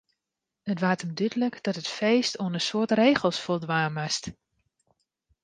It waard him dúdlik dat it feest oan in soad regels foldwaan moast.